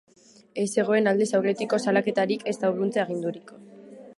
Ez zegoen aldez aurretiko salaketarik ezta urruntze agindurik.